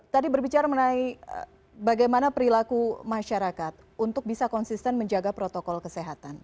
tadi berbicara mengenai bagaimana perilaku masyarakat untuk bisa konsisten menjaga protokol kesehatan